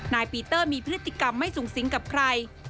นายปีเตอร์มีพฤติกรรมไม่สูงสิงกับใคร